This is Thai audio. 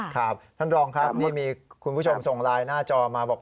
ครับท่านรองครับนี่มีคุณผู้ชมส่งไลน์หน้าจอมาบอก